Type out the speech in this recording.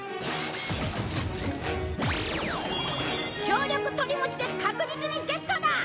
強力鳥もちで確実にゲットだ！